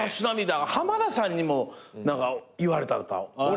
浜田さんにも何か言われた。